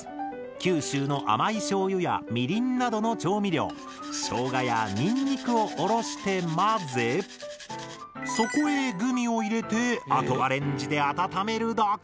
九州の甘いしょうゆやみりんなどの調味料ショウガやニンニクをおろして混ぜそこへグミを入れてあとはレンジで温めるだけ！